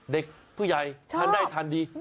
เด็กผู้ใหญ่ท่านได้ทันดี